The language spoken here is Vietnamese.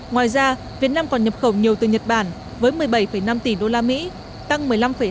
ngoài ra việt nam còn nhập khẩu nhiều từ nhật bản với một mươi bảy năm tỷ đô la mỹ tăng một mươi năm hai